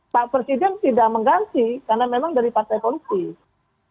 pak presiden tidak mengganti karena memang dari partai politik